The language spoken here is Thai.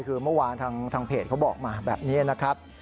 คือเมื่อวานทางเพจเขาบอกมาแบบนี้นะครับ